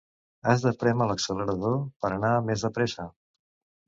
Has de prémer l'accelerador per anar més de pressa.